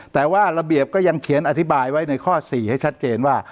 แต่ว่าระเบียบก็ยังเขียนอธิบายไว้ในข้อ๔ให้ชัดเจนว่า